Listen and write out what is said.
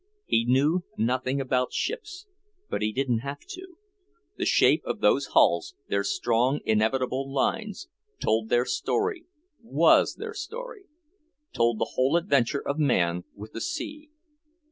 He knew nothing about ships, but he didn't have to; the shape of those hulls their strong, inevitable lines told their story, WAS their story; told the whole adventure of man with the sea.